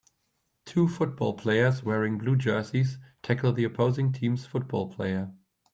Two football players wearing blue jerseys tackle the opposing team 's football player.